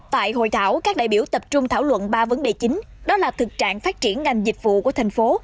tại hội thảo các đại biểu tập trung thảo luận ba vấn đề chính đó là thực trạng phát triển ngành dịch vụ của thành phố